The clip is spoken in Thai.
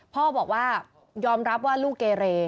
พ่อบอกว่ายอมรับว่าลูกเกเร